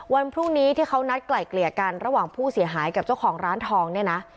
วันพรุ่งนี้ที่เขานัดไกล่เกลี่ยกันระหว่างผู้เสียหายกับเจ้าของร้านทองเนี่ยนะ